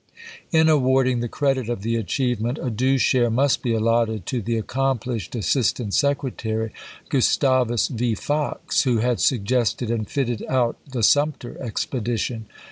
In awarding the credit of the achievement, a due share must be allotted to the accomplished assist ant secretary, Gustavus V. Fox, who had suggested and fitted out the Sumter expedition.